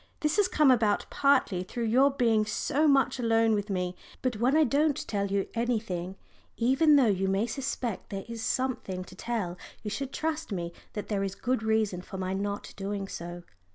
This has come about partly through your being so much alone with me. But when I don't tell you anything, even though you may suspect there is something to tell, you should trust me that there is good reason for my not doing so."